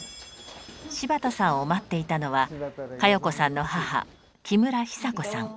柴田さんを待っていたのは佳世子さんの母木村ひさこさん